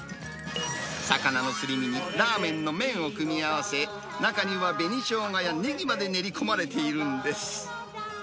魚のすり身にラーメンの麺を組み合わせ、中には紅ショウガやネギまで練り込まれているんです。